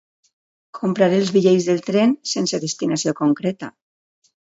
Comprar els bitllets del tren, sense destinació concreta.